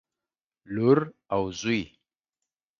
لور او زوى